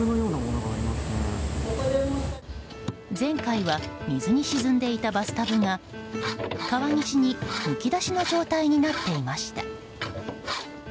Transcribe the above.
前回は水に沈んでいたバスタブが川岸にむき出しの状態になっていました。